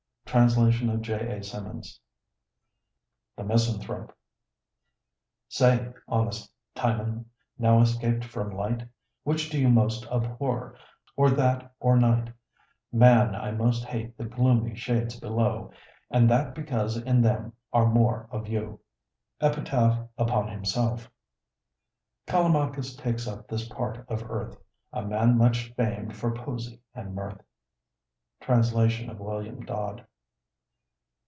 Translation of J. A. Symonds. THE MISANTHROPE Say, honest Timon, now escaped from light, Which do you most abhor, or that or night? "Man, I most hate the gloomy shades below, And that because in them are more of you." EPITAPH UPON HIMSELF Callimachus takes up this part of earth, A man much famed for poesy and mirth. Translation of William Dodd.